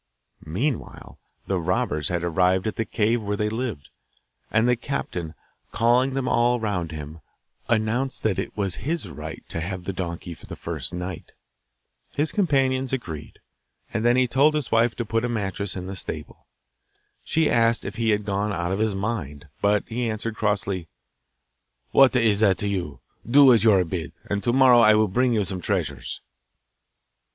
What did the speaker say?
Meanwhile the robbers had arrived at the cave where they lived, and the captain, calling them all round him, announced that it as his right to have the donkey for the first night. His companions agreed, and then he told his wife to put a mattress in the stable. She asked if he had gone out of his mind, but he answered crossly, 'What is that to you? Do as you are bid, and to morrow I will bring you some treasures.